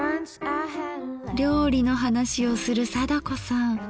料理の話をする貞子さん